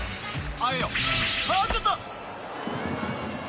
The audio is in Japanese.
［あちょっと！］